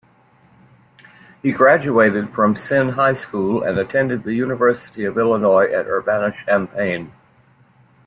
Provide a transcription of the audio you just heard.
He graduated from Senn High School and attended the University of Illinois at Urbana-Champaign.